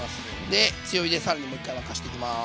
で強火で更にもう一回沸かしていきます。